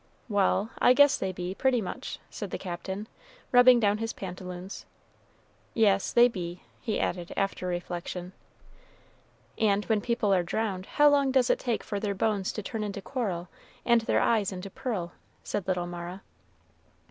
"Wal', I guess they be, pretty much," said the Captain, rubbing down his pantaloons; "yes, they be," he added, after reflection. "And when people are drowned, how long does it take for their bones to turn into coral, and their eyes into pearl?" said little Mara.